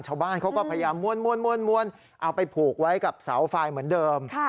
ชาวบ้านเขาก็พยายามม้วนเอาไปผูกไว้กับเสาไฟเหมือนเดิม